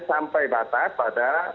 sampai batas pada